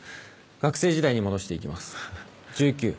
学生時代に戻していきます。